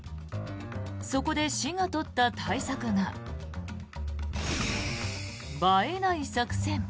そこで市が取った対策が映えない作戦。